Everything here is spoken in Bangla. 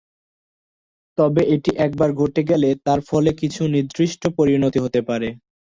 তবে এটি একবার ঘটে গেলে তার ফলে কিছু নির্দিষ্ট পরিণতি হতে পারে।